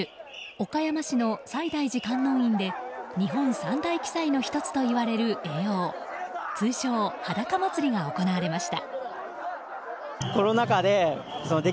岡山市の西大寺観音院で日本三大奇祭の１つといわれる会陽通称・裸祭りが行われました。